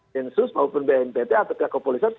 densus maupun bnpt atau kepolisian